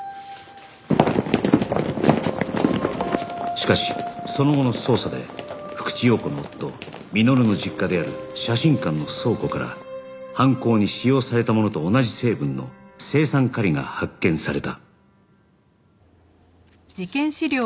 しかしその後の捜査で福地陽子の夫実の実家である写真館の倉庫から犯行に使用されたものと同じ成分の青酸カリが発見された